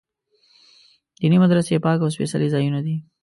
دیني مدرسې پاک او سپېڅلي ځایونه دي.